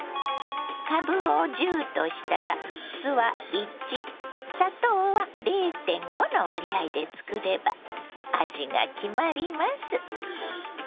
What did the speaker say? かぶを１０としたら酢は１砂糖は０．５の割合で作れば味が決まります。